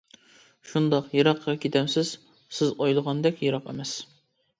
-شۇنداق، يىراققا كېتەمسىز؟ -سىز ئويلىغاندەك يىراق ئەمەس.